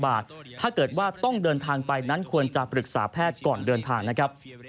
ถ้าเกิดว่าต้องเดินทางไปนั้นควรจะปรึกษาแพทย์ก่อนเดินทางนะครับ